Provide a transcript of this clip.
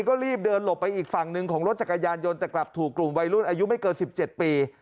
ก็รีบเดินหลบไปอีกฝั่งหนึ่งของรถจักรยานยนต์แต่กลับถูกกลุ่มวัยรุ่นอายุไม่เกิน๑๗ปี